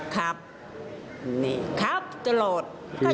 ครับครับตลอด